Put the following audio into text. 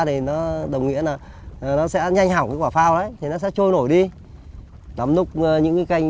thì nó đồng nghĩa là nó sẽ nhanh hỏng cái quả phao đấy thì nó sẽ trôi nổi đi lắm lúc những cái canh